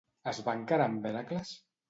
Es va encarar amb Hèracles?